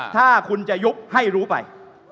ถ้าคุณจะยุบให้รู้ไป